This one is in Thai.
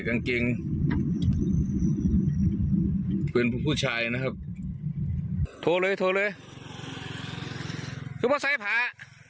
กางเกงเพื่อนผู้ผู้ชายนะครับโทรเลยโทรเลยคือว่าใส่ผา